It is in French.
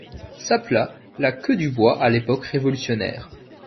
S'appela la Queue-du-Bois à l'époque révolutionnaire.